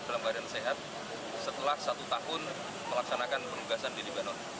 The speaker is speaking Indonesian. dalam keadaan sehat setelah satu tahun melaksanakan penugasan di libanon